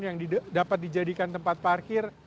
yang dapat dijadikan tempat parkir